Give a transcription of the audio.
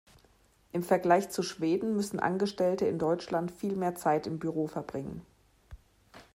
Im Vergleich zu Schweden müssen Angestellte in Deutschland viel mehr Zeit im Büro verbringen.